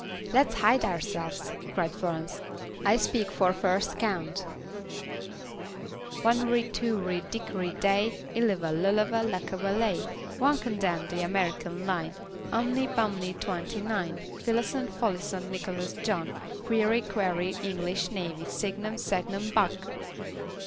"Let's hide ourselves," cried Florence. "I speak for first count. "'Onery Twoery, Dickery Day, Illava, Lullava, Lackava Lay, One condemn the American line. Umny Bumny, Twenty nine. Fillason, Folloson, Nicholas John. Queevy, Quavy, English Navy, Signum, Sangnum, Buck!'